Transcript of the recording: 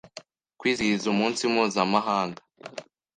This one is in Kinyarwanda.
kwizihiza umunsi mpuzamahanga